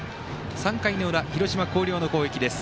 ３回の裏、広島・広陵の攻撃です。